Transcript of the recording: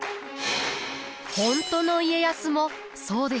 本当の家康もそうでした。